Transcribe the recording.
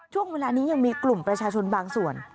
ช่วงเวลานี้ยังมีกลุ่มประชาชนบางส่วน